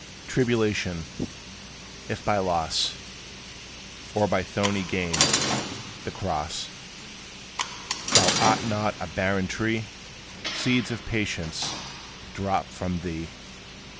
Tribulation, if by loss, Or by thorny gain, the cross, Thou art not a barren tree; Seeds of Patience drop from thee.